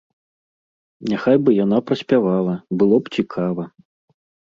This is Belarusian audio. Няхай бы яна праспявала, было б цікава.